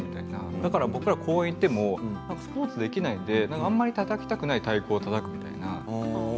だから僕らは公園に行ってもスポーツができないのであんまりたたきたくない太鼓をたたくみたいな。